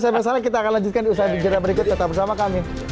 sampai salah kita akan lanjutkan usaha bicara berikut tetap bersama kami